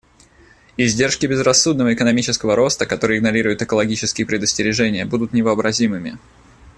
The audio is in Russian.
Издержки безрассудного экономического роста, который игнорирует экологические предостережения, будут невообразимыми.